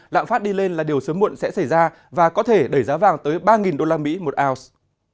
lạm phát đi lên là điều sớm muộn sẽ xảy ra và có thể đẩy giá vàng tới ba usd một ounce